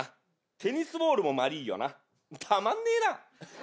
テニスボールもまりぃよなたまんねえな。